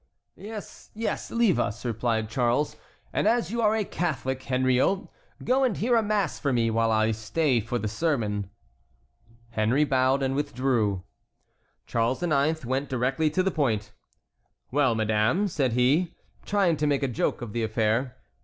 "Yes, yes, leave us," replied Charles; "and as you are a Catholic, Henriot, go and hear a mass for me while I stay for the sermon." Henry bowed and withdrew. Charles IX. went directly to the point. "Well, madame," said he, trying to make a joke of the affair.